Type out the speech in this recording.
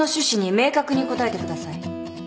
明確に答えてください。